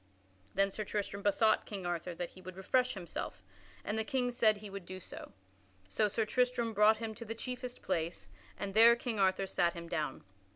Then Sir Tristram besought King Arthur that he would refresh himself, and the King said he would do so. So Sir Tristram brought him to the chiefest place, and there King Arthur sat him down.